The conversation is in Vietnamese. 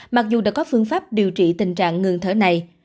mặc dù đã có phương pháp điều trị tình trạng ngừng thở này